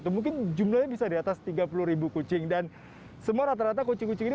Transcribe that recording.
dua puluh ribu dua ratus dua puluh satu mungkin jumlahnya bisa di atas tiga puluh kucing dan semua rata rata kucing kucing ini